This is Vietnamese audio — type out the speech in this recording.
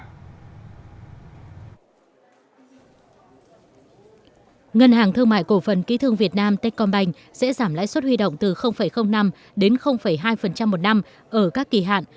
ngân hàng thương mại cổ phần ký thương việt nam techcombank sẽ giảm lãi suất huy động từ năm đến hai một năm ở các kỳ hạn